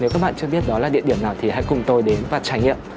nếu các bạn chưa biết đó là địa điểm nào thì hãy cùng tôi đến và trải nghiệm